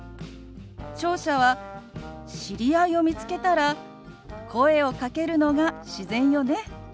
聴者は知り合いを見つけたら声をかけるのが自然よね。